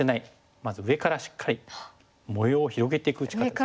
まず上からしっかり模様を広げていく打ち方ですね。